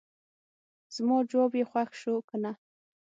زما جواب یې خوښ شو کنه.